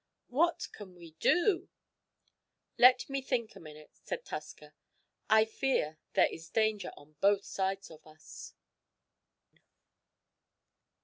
What can we do?" "Let me think a minute," said Tusker. "I fear there is danger on both sides of us."